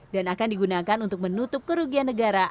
dan akan digunakan untuk menutup kerugian negara